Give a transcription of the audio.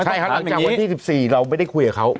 ใช่ครับหลังจากวันที่๑๔เราไม่ได้คุยกับเขา